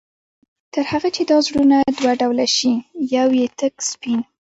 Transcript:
تر هغه چي دا زړونه دوه ډوله شي، يو ئې تك سپين